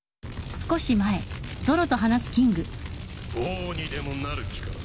王にでもなる気か？